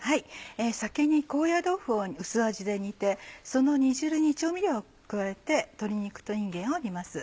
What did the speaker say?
先に高野豆腐を薄味で煮てその煮汁に調味料を加えて鶏肉といんげんを煮ます。